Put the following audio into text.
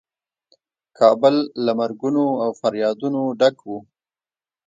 کابل له مرګونو او فریادونو ډک و.